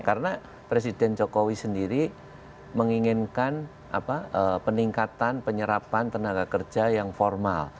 karena presiden jokowi sendiri menginginkan peningkatan penyerapan tenaga kerja yang formal